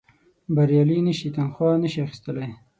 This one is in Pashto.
بریالي نه شي تنخوا نه شي اخیستلای.